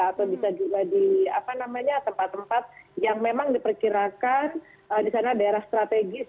atau bisa juga di tempat tempat yang memang diperkirakan di sana daerah strategis